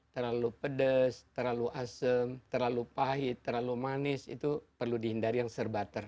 terlalu pedes terlalu asem terlalu pahit terlalu manis itu perlu dihindari yang serbater